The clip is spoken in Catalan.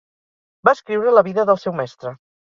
Va escriure la vida del seu mestre.